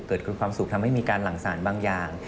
เกิดคือความสุขทำให้มีการหลั่งสารบางอย่าง